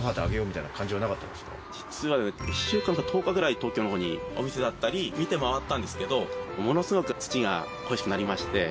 実は１週間か１０日ぐらい東京の方にお店だったり見て回ったんですけどものすごく。